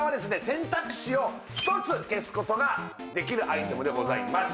選択肢を１つ消すことができるアイテムでございます